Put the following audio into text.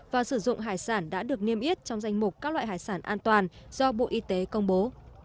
và sử dụng hải sản đã được niêm yết trong danh mục các loại hải sản an toàn do bộ y tế công bố